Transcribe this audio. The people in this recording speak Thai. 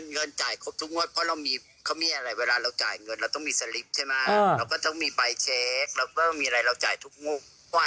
เงินจ่ายครบทุกงวดเพราะเรามีอะไรเวลาเราจ่ายเงินเราต้องมีสลิปใช่ไหมเราก็ต้องมีใบเช็คแล้วก็มีอะไรเราจ่ายทุกงวด